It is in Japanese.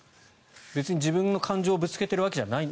別に自分の感情をぶつけているわけじゃない。